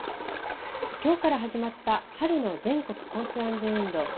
きょうから始まった春の全国交通安全運動。